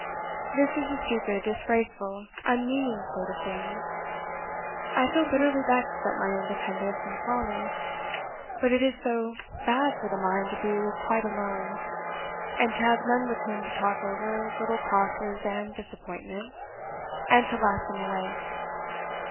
This is a stupid, disgraceful, unmeaning state of things. I feel bitterly vexed at my own dependence and folly; but it is so bad for the mind to be quite alone, and to have none with whom to talk over little crosses and disappointments, and to laugh them away.